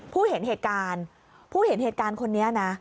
ผู้เห็นเหตุการณ์ผู้เห็นเหตุการณ์คนนี้นะ